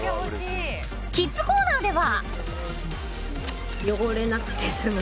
キッズコーナーでは。